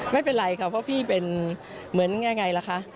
ไม่เป็นไรค่ะเพราะพี่เป็นเหมือนยังไงล่ะคะ